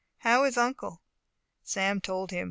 How is uncle?" Sam told him.